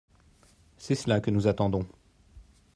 C’est cela que nous attendons.